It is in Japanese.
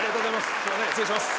「すいません失礼します」「」「」